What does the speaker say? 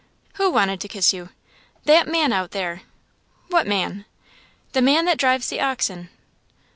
"Who wanted to kiss you?" "That man out there." "What man?" "The man that drives the oxen."